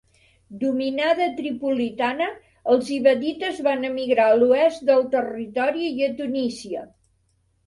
Dominada Tripolitana els ibadites van emigrar a l'oest del territori i a Tunísia.